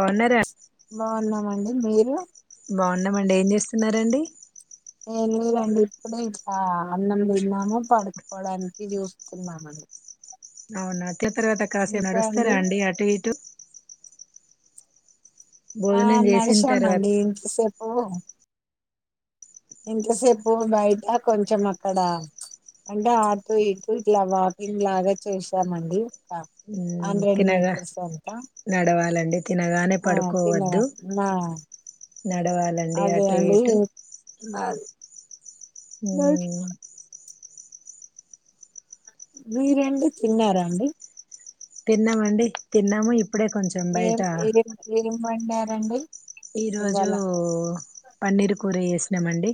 బాగున్నారా బాగున్నామండి మీరు బాగున్నామండి ఏం చేస్తున్నరండి నేను లేదండి ఇప్పుడు ఇట్లా అన్నం తిన్నాము పడుకోవడానికి చూస్తున్నా అవునా ట్ల తర్వాత కాసేపు నడుస్తారా అండి అటు ఇటు ఆ భోజనం చేసిన తర్వాత నడసానండి ఇంత సెప్ ఓహొ ఇంతసేపు బయట కొంచం అక్కడ అంటే ఆటూ ఇటుూ ఇట్లా వాకింగ్ లాగా చేసామండి ఒక హండ్రెడ్ తినగా మీటర్స్ అంతా నడవాల తినగానే ఆ పడుకోవద్దు తిన్నగా నడవాలండి అదే అటు అండి ఇటు నాది. మరి ఉమ్ మీరండి తిన్నారండి తిన్నామండి తిన్నాము ఇ ఎం ఎం ఎం వండరు రండి ఈ రోజు పన్నీర్ కూర వేస్ న్నామండి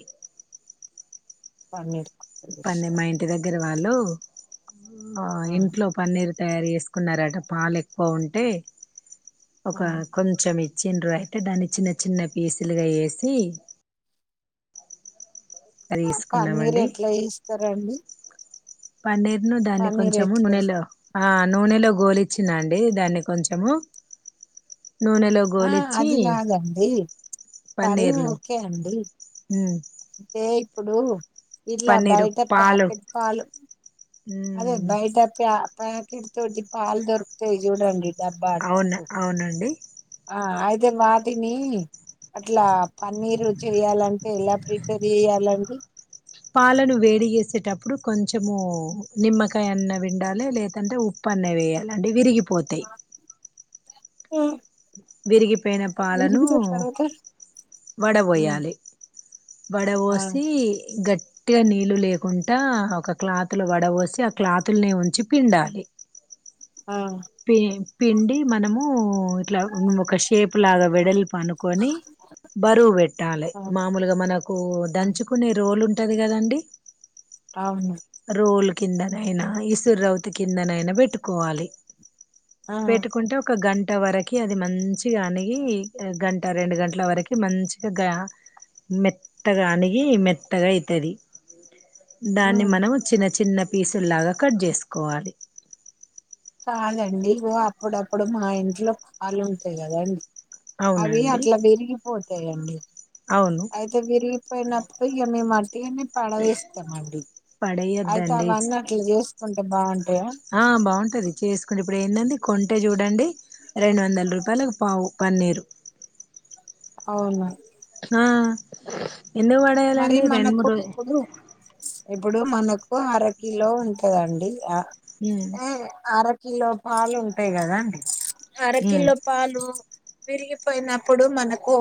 పన్నీర్ కూర పన్నీ చేశారా? మా ఇంటి దగ్గర వాళ్ళు ఆ ఇంట్లో పనిరు తయారు చేసుకున్నారట పాలు ఎక్కువ ఉంటే ఒక ఆ కొంచెం ఇ ఇచెన్ ర అయితే దాన్ని చిన్న చిన్న పీసులుగా వేసి అది ఆ పన్నీర్ తీసుకున్నామండి ఎట్లా చేస్తారండి పన్నీర్ ను దాన్ని పన్నీర్ కొంచెము ఎట్లా నూనెలో ఆ నూనెలో గోలిచ్చ నండి దాన్ని కొంచెము నూనెలో ఆ గోలిచ్చి అది కాదండి పన్నీర్ను హ్మ్ అంతే ఇప్పుడు ఇట్లా పన్నీరు బయట పాలు ప్యాకెట్ పాలు అదే ఉమ్ బయట ప్యా ప్యాకెట్ తోటి పాాలు దొరుకుతాయి చూడండి అవును డబ్బాపు అవునండి అదే మాదిని అట్లా పన్నీరు చెయాలంటే ఇలా ప్రిపేర్ చెయ్యాలండి పాలను వేడిగేసేటప్పుడు కొంచము నిమ్మకాయన్న విండాలి లేదంటే ఉప్పు అన్న వేయాలండి విరిగి పోతాయి హ విరిగిపోయిన పాలను తర్వాత ఉమ్, వడబయాలి ఆ వడవోసి గట్టి గట్తిగా నీళ్ళు లేకుండా ఒక క్లాతులు వడవసి ఆ క్లాతులనే ఉంచి పిండాలి ఆ పి పిండి మనము ఇట్లా ఒక షేప్ లాగా వెడల్ప్ పనుకొని బరువు పెట్టాలి ఆ మామలుగా మనకు ఆ, దంచుకునే రోలుంటే ఉంటది కదండి అవును రోలు కిందనైనా ఇసుర రవుతి కిందనైనా పెట్టుకోవాలి ఆ పెట్టుకుంటే ఒక గంట గంట వరకి అది మంచిగా అనిగి గంట రెండు గంటల వరకు మంచిగా గ మెత్తగా అనిగి మెత్తగా అవుతుంది ఆ. దాన్ని మనం చిన్న చిన్న పీసుల్లాగా కట్ చేసుకోవాలి కాదండి ఓ అప్పుడప్పుడు మా ఇంట్లో పాలు ఉంటాయి కదండి అవి అవునండి అట్లా పెరిగిపో చేయండి అవును అయితే విరిగిపోయినప్పుడు ఇక మేమ్ వట్టిగా మేము పడవేస్తామ అండి అయితే పడేయద్దండి అవన్నీ అట్లా చేసుకుంటే బాగుంటాయా ఆ అంటే చూడండి రెండు వందల రూపాయలు పావు పన్నీరు అవునా ఆ ఎందుకు మరి పడేయాలండి రెండు మనకు మూడు రో ఇప్పుడు ఇప్పుడు మనకు అరకిలో ఉంటదండి ఆ ఉమ్ ఏ ఆర కిలో పాలు ఉంటాయి కదా అండీ అర ఉమ్ కిలో పాలు విరిగిపోయినప్పుడు మనకు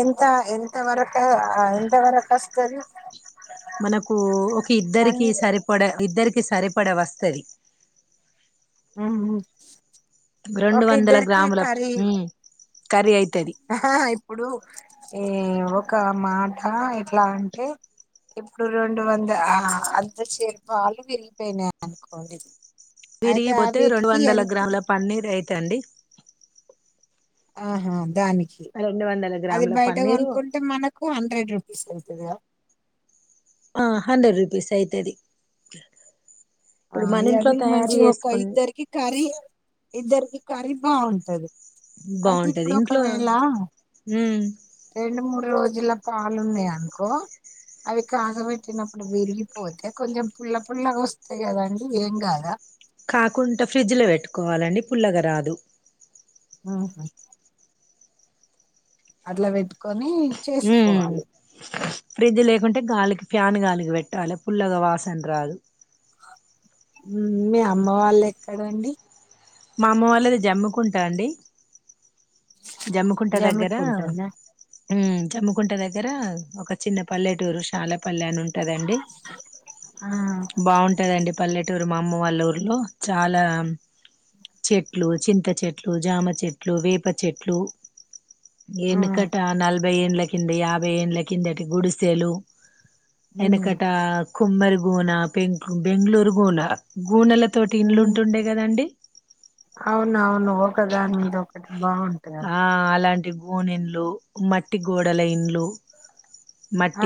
ఎంత ఎంత వరకు అ అస్తది మనకు ఒక ఇద్దరికి సరిపడ ఇద్దరికి ఇ సరిపడ వస్తాది ఆహా రెండు వందల గ్రాములకు హు కర్రీ అయి ఆహ ఇప్పుడు ఏ ఒక మాట ఎట్లా అంటే ఇప్పుడు రెండు వంద అర్ధ చేరు పాలు వెళ్ళిపోయినాయి అనుకోండి అయితే ఆ విరిగిపోతే రెండు వీటికి వందల ఎంత గ్రాముల పన్నీర్ అయి తండి ఆహా దానికి రెండు వందల అది గ్రాముల బయట పన్నీరు కొనుకుంటే మనకు హండ్రెడ్ రూపీస్ అయి ఇదియా ఆ హండ్రెడ్ రుపీస్ అయితది ఆ ఇప్పుడు మన ఇంట్లో ఆది తయారు మంచిగా ఒక చేసుకుని ఇద్దరికి కర్రీ ఇద్దరికి కర్రీ బాగుంటది అది బాగుంటది ఇప్పుడు ఇంట్లో ఒకవేళ ఉమ్ రెండు మూడు రోజు గంజుల పాలు ఉన్నాయి అనుకో అవి కాగబెట్టినప్పుడు విరిగిపోతే కొంచెం పుల్ల పుల్లగా వస్త అంతే కదండి ఏం గాదా కాకుంటా ఫ్రిడ్జ్ లో వెట్టుకోవాలండి పుల్లగ రాదు ఆహా అట్లా పెట్టుకో అని ఉమ్ చేసుకోవాలి ఫ్రిడ్జ్ లేకుంటే గాలికి ఫ్యాన్ గాలికి పెట్టాలె పుల్లగ వాసన్ రాదు మ్మ్ మీ అమ్మ వాళ్ళే కదండి మా అమ్మ వాళ్ళది జమ్ముకుంటా అండి జమ్ముకుంట దగ్గరా జమ్మికుంటనా మ్మ్ జమ్ముకుంట దగ్గర ఒక చిన్న పల్లెటూరు శాలాపల్లె అను ఉంటదండి ఆ బాగుంటదండి పల్లెటూరు మా అమ్మ వాళ్ళ ఊర్లో చాలా చెట్లు, చింత చెట్లు, జామ చెట్లు, వేప చెట్లు ఆ ఎనుకటా నల్ భై ఏళ్ల కింద యాభై యేండ్ల కిందటి గుడిసెలు ఉమ్, ఎనకటా కుమ్మరి గోనా పెంక్లు బెంగళూరు గూనా గూనల తోటి ఇండ్లు ఉంటుండే కదండి అవును అవును ఓ కదా మీంట్లో ఒకటి బాగుంటయా గోనిండ్లు మట్టి గోడల ఇండ్లు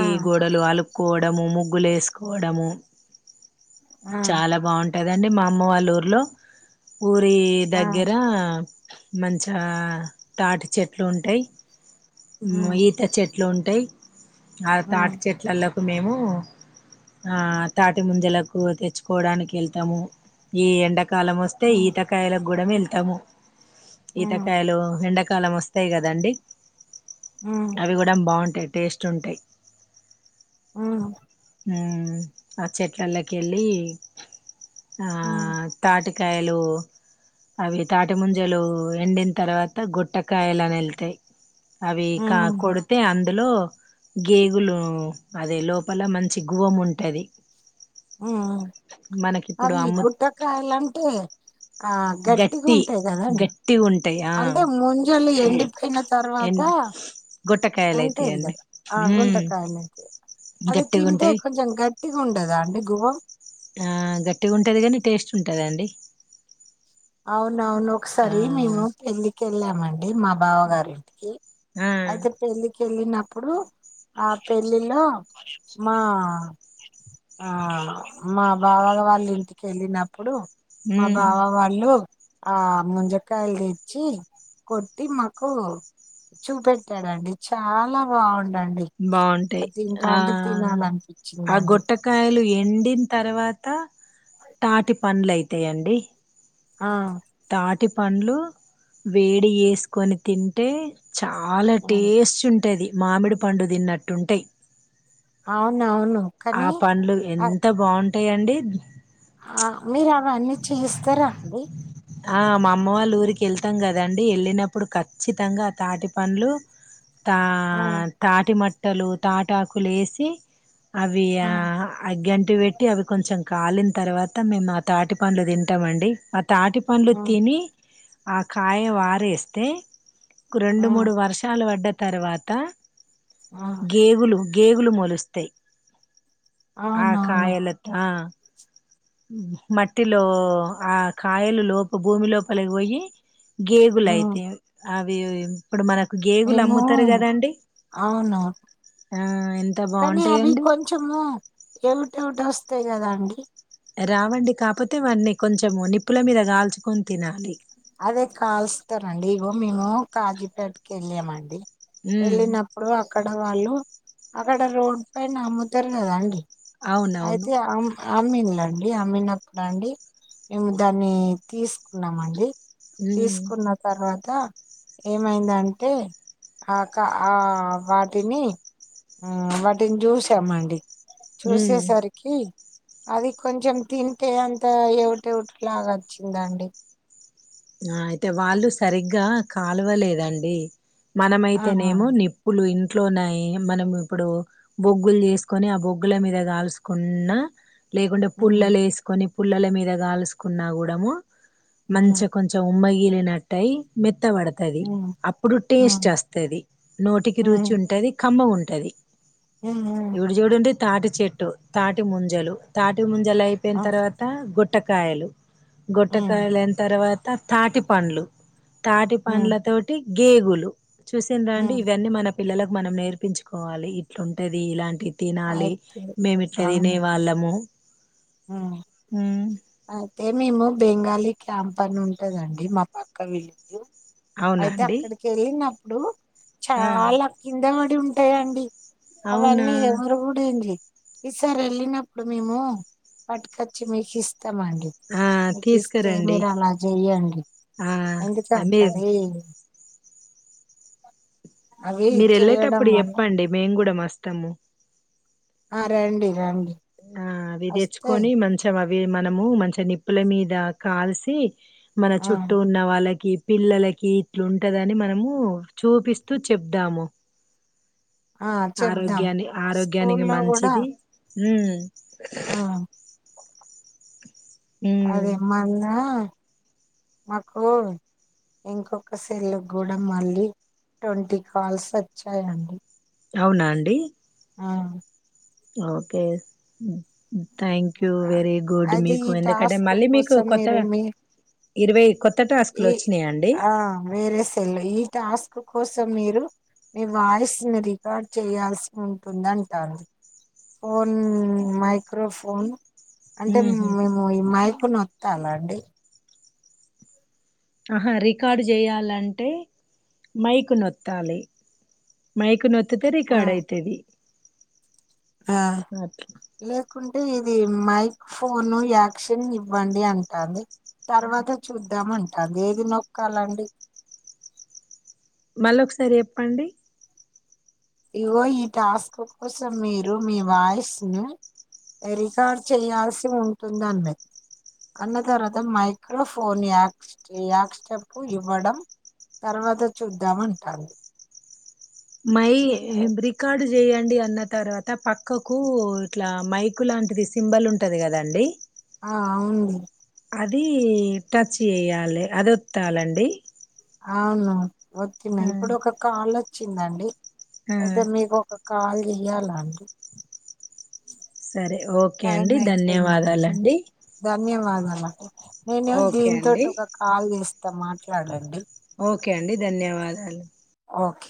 ఆ గోడలు అలుక్కో దము ముగ్గులేసుకోడము ఆ చాలా బాగుం కదండి మా అమ్మ వాళ్ళ ఊర్లో ఊరి ఆ దగ్గెర మంచా తాటి చెట్లు ఉంటయ్ ఉమ్, ఈత చెట్లు ఉంటయ్ ఆ ఉమ్, తాటి చెట్లల్లోకు మేము ఆ తాటి ముంజలకు తెచ్చుకోడానికి వెళ్తాము ఈ ఎండ కాలం వస్తే ఉమ్, ఈతకాయల గుడం వెళ్తాము ఉమ్, ఈతకాయలు ఎండ కాలం వస్తాయి కదండి ఉమ్, అవి కూడా బాగుంటాది టేస్ట్ ఉంటాయి ఆ ఆ చెట్లల్లోకి వెళ్ళి ఆ ఉమ్, తాటి కాయలు అవి తా అటి ముంజలు ఎండిన తర్వాత గుట్టకాయలాని వెళ్తాయి అవి కా ఉమ్, కొడితే అందులో గేగులు అదే లోపల మంచి గువం ఉంటది ఉ మనకి ఇప్పుడు అవి అమ్ము గుట్టకాయలంటే ఆ గట్టిగా గట్టి ఉంటాయి కదాండి గట్టిగా ఉంటాయి ఆ అంటే ముంజోలు ఎండిపోయిన ఎన్ తర్వాత గొట్టకాయలు ఉంటది అయితాయండి కదా ఆ మ్మ్ గుంటకాయ అనేది అది గట్టిగా తింటే ఉంటాయి కొంచెం గట్టిగా ఉండదా అండి ఎకువా గట్టిగా ఉంటుంది కానీ టేస్ట్ ఉంటుందండి అవును అవును ఒకసారి మేము పెళ్లికెళ్ళాం ఆ అడి మా బావ గారింటికి ఆ అయితే పెళ్ళకేళ్ళ నా అప్పుడు ఆ పెళ్ళిలో మా ఆ మా బావా వాళ్ళ ఇంటికి వెళ్ళినప్పుడు మా మ్మ్ బావా వాళ ఆ ముజకాయలు తెచ్చి కొట్టి మాకు చూపెట్టాడండి చాలా బాగుంట బాగుంటాయి ఆ ఆ తినాలనిపించిందండి గుట్టకాయలు ఎండిన తర్వాత తాటి పండ్లు అయితాయండి ఆ తాటి పండ్లు వేడి వేసుకొని తింటే చాలా ఆ, టేస్ట్ ఉంటుది మామిడి పండు తిన్నట్టుంటాయి అవునవును కానీ ఆ పండ్లు ఆ ఎంత బాగుంటు అట్టేయండి ఆ మీరు అవన్నీ చేయిస్తారా అండి ఆ మా అమ్మ వాళ్ళ ఊరికి వెళ్తాం కదండి వెళ్ళినప్పుడు ఖచ్చితంగా తాటి పండ్లు తా ఆ తాటి మట్ బట్టలు తాటాకులు వేసి అవి ఆ అగంట ఇటి పెట్టి అవి కొంచెం కాలిన తర్వాత మేము ఆ తాటి పండ్లు తింటాం అండి ఆ తాటి పండ్లు ఆ తిని ఆ కాయ వారేస్తే రెండు ఆ మూడు వర్షాలు పడ్డ తర్వాత ఆ గేబులు గేగులు మోలుస్తాయి ఆ అవునవును కాయలత్తా మట్టిలో ఆ కాయలు లోపు భూమిలో లోపలకి పోయి గేగులు ఉమ్ అయితై అవి ఇప్పుడు మనకు గేగులు మేము అమ్ముతారు కదా అండి అవును ఆ ఎంత బాగుంటాయంండి టూ డ వస్తాయి కదా అండి రావండి కాపోతే వాటిని కొంచెము నిప్పుల మీద గాల్చుకొని తినాలి అదే కాలుస్తారండి ఇగో మేము కాజీపేట్ వెళ్ళాం అండి ఉమ్ వెళ్ళినప్పుడు అక్కడ వాళ్ళు అక్కడ రోడ్ పైన అమ్ముతారు కదాండి అవునవును అమ్మీన్లండి అమ్మీన్ప్పుడా అండి మేము దాన్ని తీసుకున్నామ అండి ఉమ్ తీసుకున్న తర్వాత ఏమైందంటే ఆక్క ఆ వాటిని వాటిని చూసామండి చూసి ఉమ్ వచ్చేసరికి అది కొంచెం తింటే అంత ఏవిటెవిటి లాగా వచ్చిందండి ఆ అయితే వాళ్ళు సరిగ్గా కాలువలేదండి ఆహా. మనమైతేనేమో నిప్పులు ఇ ఇంట్లోన్నాయి మనం ఇప్పుడు బొగ్గులు చేసుకొని ఆ బొగ్గుల మీద గాల్చుకున్న లేకుంటే ఉమ్, పుల్లలు ఏసుకొని పుల్లల మీద కాలుసుకున్నా కూడా మనము హు ఉమ్మగిలి నట్టై మెత్త మెత్త పడుతది ఉమ్, అప్పుడు టేస్ట్ ఉమ్, వస్తది నోటికి ఉమ్, రుచి ఉంటది కమ్మగ ఉంటది టది [unintelligible] తాటి చెట్టు తాటి ముంజలు తాటి ముం జల అయిపోయిన ఆ, తర్వాత గొట్ ట్టకాయలు ఉమ్, గొట్టకాయలు అయిన తర్వాత త తాటి పండ్లు తాటి ఉమ్, పండ్లతోటి గేగులు చూసిన్ రండి ఉమ్. ఇవన్నీ మన పిల్లలకు మనం నేర్పించుకోవాలి ఇట్లుంటది ఇలాంటి తినాలి అయితే మేమి ఇట్లా తినే అవును వాళ్ళము ఉమ్, అయితే మేము బెంగాలీ క్యాంప్ అని ఉంటదండి మా పక్క విలేజ్ అవునా అయితే అండి అక్కడికి వెళ్ళి నా ఇప్పుడు ఆ చాల అక్కంద మ ఉంటు వేయండి అవునా అవన్నీ ఇగ [unintelligible] ఈ సారి వెళ్ళినప్పుడు మేము పట్టు కొచ్చి మీకి ఇస్త ఇస్తామండి ఆ మీకు ఇస్తే తీసుకురండి మీరు అలా చెయ్యండి ఆ ఆ, ఎందుకంటే మీరు అది అవి మీరు చేయడం వెళ్ళేటప్పుడు వల్ల చెప్పండి మేము కూడా మ అస్తము ఆ రండి రండి ఆ అవి వస్తే తెచ్చుకొని మంచం అవి మనము మంచి నిప్పుల మీద కాల్సి మన ఆ చుట్టూ ఉన్న వాళ్ళకి పిల్లలకి ఇట్లుంటదని మనము చూపిస్తూ చెప్దాము ఆ చెప్దాం ఆరోగ్యాన్ని ఆరోగ్యానికి స్కూల్లో కూడా మంచిది ఉ ఆ ఉమ్ అదేమ్మ అన్న మాకు ఇంకొక సెల్లు కూడా మళ్ళీ ట్వంటీ కాల్స్ వచ్చాయండి అవునా అండి ఆ ఓకే్యాం థ్యాంక్ యూ వెరీ గుడ్ అది మీకు ఈ ఎందుకంటే టాస్క్ మళ్ళీ మీకు కోసం కొత్త మీరు మీ ఇరవై కొత్త టాస్కులు ఈ వచ్చినాయా అండి ఆ వేరే సెల్ ఈ టాస్క్ కోసం మీరు మీ వాయిస్ ని రికార్డ్ చేయాల్సి ఉంటుంది అంటారు ఫోన్ మైక్రోఫోన్ అంటే ఉహు మేము ఈ మా ప్పునొత్తాలండి ఆహా రికార్డు చేయాలంటే మైకు నొత్తాలి మైకు నొ ఒత్తితే ఆ రికార్డ అయితేది ఆ లేకు అంటే ఇది మైక ఫోను యాక్షన్ ఇవ్వండి అంటుంది తర్వాత చూద్దామం అదేది నొక్కాలండి మళ్ళీ ఒకసారి చెప్పండి ఇగో ఈ టాస్క్ కోసం మీరు మీ వాయిస్ ను రికార్డ్ చేయాల్సి ఉంటుంద అన్నది అన్న తర్వాత మైక్రోఫోన్ యాక్ యాక్స్టప్ ఇవ్వడం తర్వాత చూద్దాంటారు మై బ్రికార్డు చేయండి అన్న తర్వాత పక్కకు ఇట్లా మైకు లాంటిది సింబల్ ఉంటది కదండి ఆ అవును అది టచ్ చేయాలి అది వత్తాలండి అవును వోత్తిన ఇప్పుడు ఒక కాల చ్చిందండి ఆ అయిదే మీ కాల్ చెయ్యాలండి సరే ఓకే టైం అండి అయిపోయిందండి ధన్యవాదాలండి ధన్యవాదాలండి నేను ఓకే దీన్ తోటి అండి ఒక కాల్ చేస్తాను [unintelligible] మాట్లాడండి ఓకే అండి ధన్యవాదాలు ఓకే